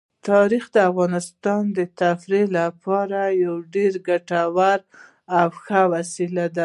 تاریخ د افغانانو د تفریح لپاره یوه ډېره ګټوره او ښه وسیله ده.